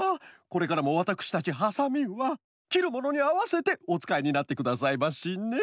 これからもわたくしたちハサミはきるものにあわせておつかいになってくださいましね！